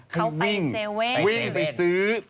เขาไป๗วิ่งไปซื้อ